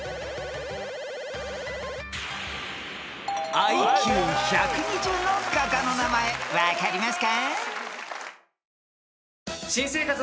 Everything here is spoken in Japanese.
［ＩＱ１２０の画家の名前分かりますか？］